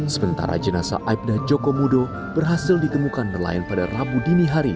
sementara jenazah aibda joko mudo berhasil ditemukan nelayan pada rabu dini hari